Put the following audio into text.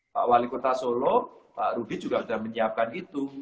pak wali kota solo pak rudi juga sudah menyiapkan itu